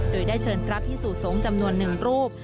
โดยได้เชิญรับที่สู่สงฆ์จำนวน๑รูป